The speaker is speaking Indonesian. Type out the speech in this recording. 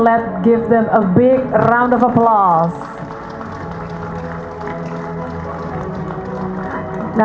pemerintah silakan bergantung pada dokumen